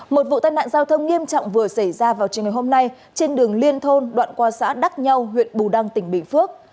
một vụ tai nạn giao thông nghiêm trọng vừa xảy ra vào trường ngày hôm nay trên đường liên thôn đoạn qua xã đắc nhau huyện bù đăng tỉnh bình phước